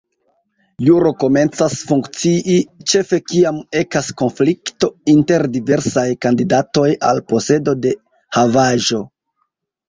Juro komencas funkcii ĉefe kiam ekas konflikto inter diversaj kandidatoj al posedo de havaĵo.